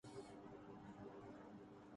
شروع کردیا